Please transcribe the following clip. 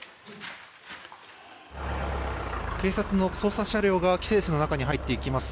警察の捜査車両が規制線の中に入っていきます。